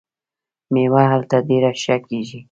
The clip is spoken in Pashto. میوه هلته ډیره ښه کیږي.